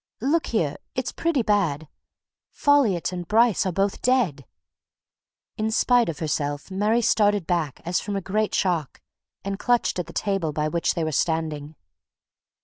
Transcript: Look here, it's pretty bad. Folliot and Bryce are both dead!" In spite of herself Mary started back as from a great shock and clutched at the table by which they were standing.